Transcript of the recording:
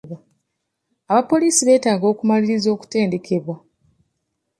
Abapoliisi beetaaga okumalirirza okutendekebwa.